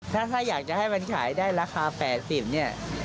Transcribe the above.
ถ้าอยากจะให้มันขายได้ราคา๘๐เนี่ย